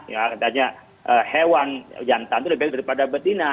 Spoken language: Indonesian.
ya katanya hewan jantan itu lebih baik daripada betina